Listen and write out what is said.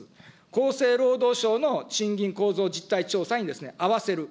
厚生労働省の賃金構造実態調査にあわせる。